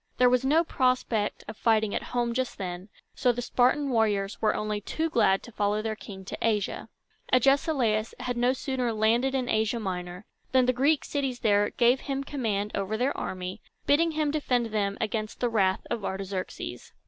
There was no prospect of fighting at home just then, so the Spartan warriors were only too glad to follow their king to Asia. Agesilaus had no sooner landed in Asia Minor, than the Greek cities there gave him command over their army, bidding him defend them from the wrath of Artaxerxes.